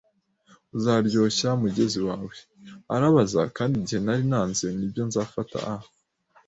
“Uzaryoshya, mugenzi wawe?” arabaza; kandi igihe nari nanze: “Nibyo, nzafata a